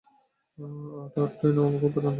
Art, art টিনাও খুব পছন্দ করে।